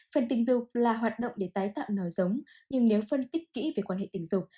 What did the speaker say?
phần tình dục là hoạt động để tái tạo nòi giống nhưng nếu phân tích kỹ về quan hệ tình dục